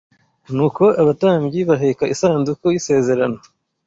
Nuko abatambyi baheka isanduku y’isezerano